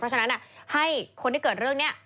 เพราะฉะนั้นให้คนที่เกิดเรื่องนี้